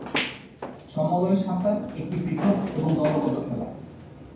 সমলয় সাঁতার একটি পৃথক এবং দলগত খেলা।